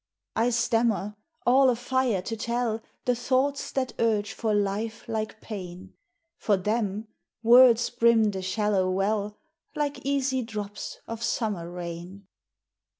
I stammer, all afire to tell The thoughts that urge for life like pain; For them words brim the shallow well Like easy drops of summer rain.